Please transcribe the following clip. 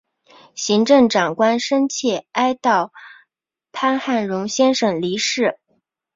行政长官深切哀悼潘汉荣先生离世